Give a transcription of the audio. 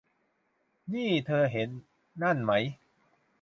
นี่ เธอเห็นนั่นไหม